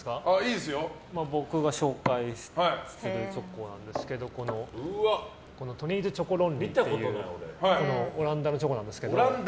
僕が紹介するチョコなんですけどトニーズチョコロンリーっていうオランダのチョコですけど。